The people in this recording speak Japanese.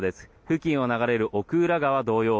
付近を流れる奥浦川同様